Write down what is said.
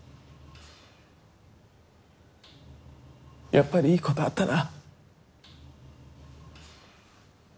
やっぱりいいことあったな。